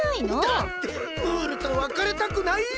だってムールとわかれたくないよ。